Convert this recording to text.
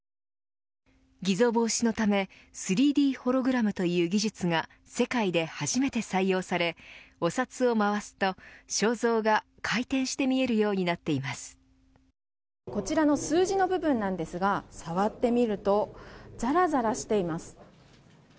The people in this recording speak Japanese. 偽造防止のため３Ｄホログラムという技術が世界で初めて採用されお札を回すと、肖像が回転して見えるこちらの数字の部分なんですが触ってみるとざらざらしています。